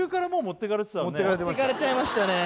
持ってかれちゃいましたね